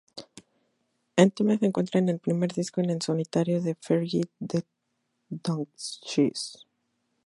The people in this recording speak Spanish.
El tema se encuentra en el primer disco en solitario de Fergie, The Dutchess.